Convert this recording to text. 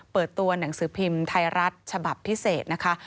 เปิดตัวหนังสือพิมพ์ไทยรัฐฉบับพิเศษนะคะ